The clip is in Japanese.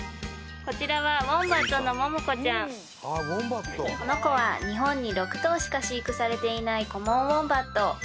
こちらはこの子は日本に６頭しか飼育されていないコモンウォンバット